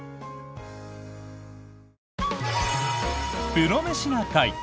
「プロメシな会」